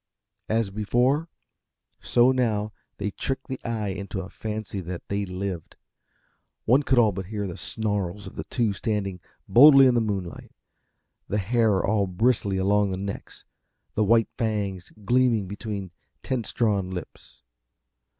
As before, so now they tricked the eye into a fancy that they lived. One could all but hear the snarls of the two standing boldly in the moonlight, the hair all bristly along the necks, the white fangs gleaming between tense drawn lips.